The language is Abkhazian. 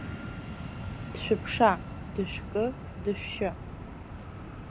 Дшәыԥшаа, дышәкы, дышәшьы.